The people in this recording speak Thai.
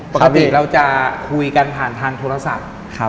ปกติเราจะคุยกันผ่านทางโทรศัพท์